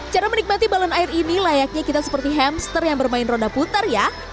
cara menikmati balon air ini layaknya kita seperti hamster yang bermain ronda putar ya